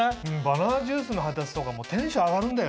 バナナジュースの配達とかもテンション上がるんだよね！